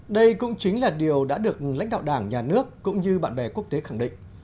đây cũng chính là điều đã được lãnh đạo đảng nhà nước cũng như bạn bè quốc tế khẳng định